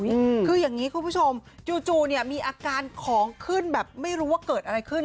คืออย่างนี้คุณผู้ชมจู่จู่เนี่ยมีอาการของขึ้นแบบไม่รู้ว่าเกิดอะไรขึ้น